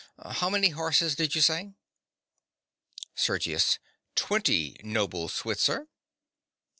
_) How many horses did you say? SERGIUS. Twenty, noble Switzer!